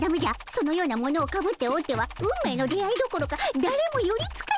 そのようなものをかぶっておっては運命の出会いどころかだれもよりつかぬでおじゃる！